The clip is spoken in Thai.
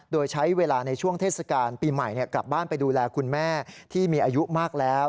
โดยใช้เวลาในช่วงเทศกาลปีใหม่กลับบ้านไปดูแลคุณแม่ที่มีอายุมากแล้ว